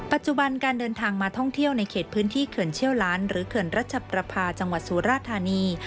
ปัจจุบันการเดินทางมาท่องเที่ยวในเขตพื้นที่เขื่อนเชี่ยวล้านหรือเขื่อนรัชประพาจังหวัดสุราธานี